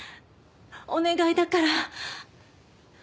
お願いだから。